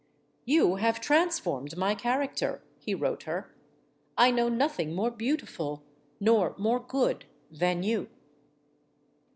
"You have transformed my character," he wrote her. "I know nothing more beautiful nor more good than you."